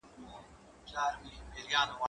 زه اوبه پاکې کړې دي.